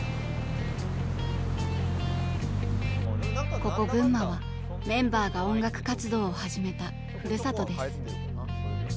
ここ群馬はメンバーが音楽活動を始めたふるさとです。